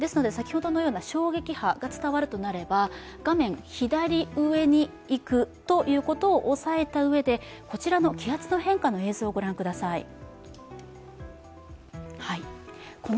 先ほどのような衝撃波が伝わるとなれば、画面左上に行くということを押さえたうえでこちらの気圧の変化の映像を御覧ください。